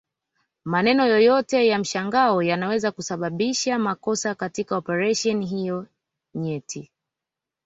Maneno yoyote ya mshangao yanaweza kusababisha makosa katika operesheni hiyo nyeti